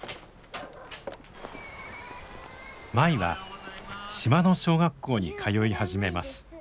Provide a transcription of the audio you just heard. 舞は島の小学校に通い始めます。